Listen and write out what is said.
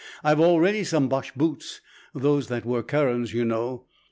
I've already some Boche boots those that were Caron's, you know.